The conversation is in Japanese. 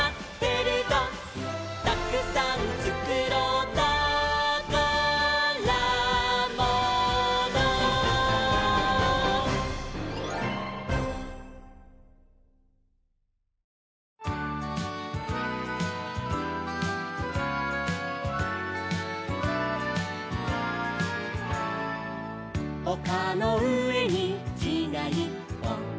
「たくさんつくろうたからもの」「おかのうえにきがいっぽん」